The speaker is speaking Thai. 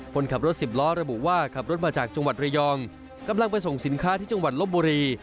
คนขับรถสิบล้อระบุว่าขับรถมาจากจังหวัดระยองกำลังไปส่งสินค้าที่จังหวัดลบบุรี